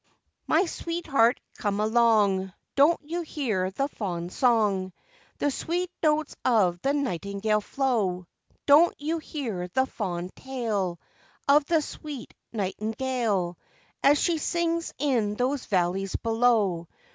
] 'MY sweetheart, come along! Don't you hear the fond song, The sweet notes of the nightingale flow? Don't you hear the fond tale Of the sweet nightingale, As she sings in those valleys below?